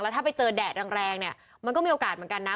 แล้วถ้าไปเจอแดดแรงมันก็มีโอกาสเหมือนกันนะ